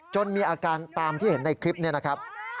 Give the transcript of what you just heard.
มีอาการตามที่เห็นในคลิปนี้นะครับ